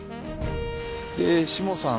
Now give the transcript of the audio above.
しもさん